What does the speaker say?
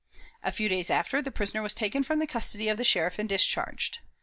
A few days after, the prisoner was taken from the custody of the Sheriff and discharged.